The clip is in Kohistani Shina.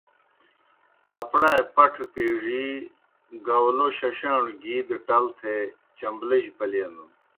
پاپڑائے پٹھہ پیزِی، گاؤلو ششاݨوْ گِی دہ ٹل تھے چݩبلِجیْ پلینَن۔